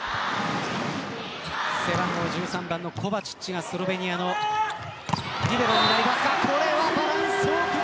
背番号１３番のコバチッチがスロベニアのリベロ。